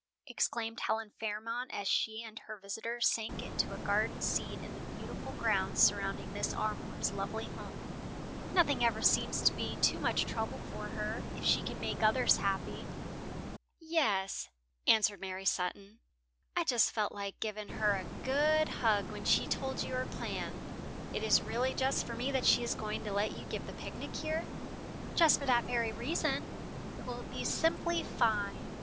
exclaimed Helen Fairmont as she and her visitor sank into a garden seat in the beautiful grounds surrounding Mrs. Armour's lovely home. "Nothing ever seems to be too much trouble for her, if she can make others happy." "Yes," answered Mary Sutton, "I just felt like giving her a good hug when she told you her plan. It is really just for me that she is going to let you give the picnic here." "Just for that very reason. It will be simply fine.